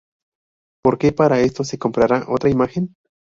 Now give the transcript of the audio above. Porque para esto se comprará otra imagen".